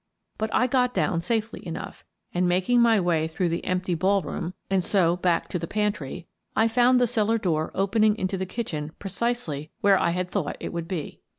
But I got down safely enough, and, making my way through the empty ballroom and liPHm ^^^^^^^^^^^ In the Cellar 63 so back to the pantry, I found the cellar door open ing into the kitchen precisely where I had thought it would be.